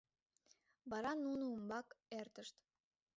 Вара нуно умбак эртышт.